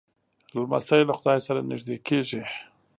لمسی له خدای سره نږدې کېږي.